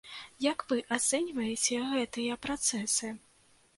Як вы ацэньваеце гэтыя працэсы?